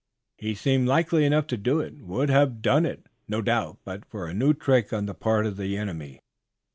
He seemed likely enough to do it would have done it, no doubt, but for a new trick on the part of the enemy.